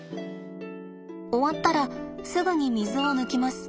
終わったらすぐに水を抜きます。